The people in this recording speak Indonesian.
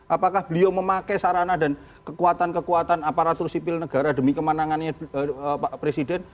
apakah beliau memakai sarana dan kekuatan kekuatan aparatur sipil negara demi kemenangannya pak presiden